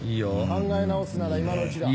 考え直すなら今のうちだ。